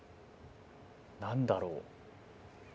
何だろう。